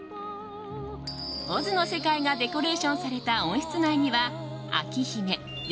「オズ」の世界がデコレーションされた温室内にはあきひめ、よ